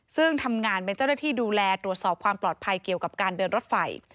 ซึ่งทำงานเป็นเจ้าหน้าที่ดูแลตรวจสอบความปลอดภัยเกี่ยวกับการเดินรถไฟ